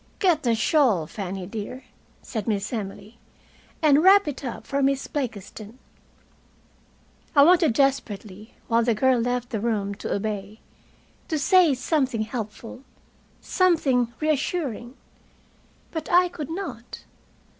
"Get the shawl, Fanny, dear," said Miss Emily, "and wrap it up for Miss Blakiston." I wanted desperately, while the girl left the room to obey, to say something helpful, something reassuring. But I could not.